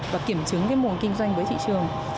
và kiểm chứng cái mùa kinh doanh với thị trường